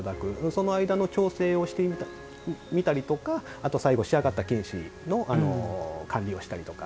その間の調整をしてみたりとかあと、最後、仕上がった金糸の管理をしたりとか。